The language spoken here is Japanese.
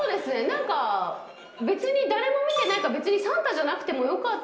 何か別に誰も見てないからサンタじゃなくてもよかったんじゃないかと。